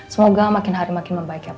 semoga makin hari makin membaik ya pak